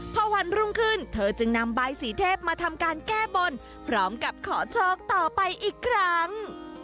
พอวันรุ่งขึ้นเธอจึงนำใบสีเทพมาทำการแก้บนพร้อมกับขอโชคต่อไปอีกครั้ง